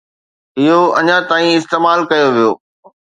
اهو اڃا تائين استعمال ڪيو ويو